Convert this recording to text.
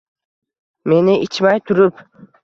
Meni ichmay turib